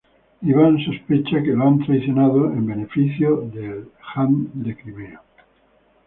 Iván sospecha que lo han traicionado en beneficio del Jan de Crimea.